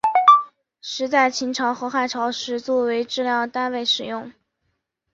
石在秦朝和汉朝时作为质量单位使用。